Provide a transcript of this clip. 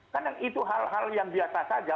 karena itu hal hal yang biasa saja